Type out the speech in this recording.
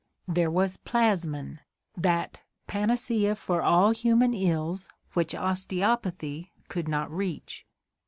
There was Plasmon, that "panacea for all human ills which osteopathy could not reach."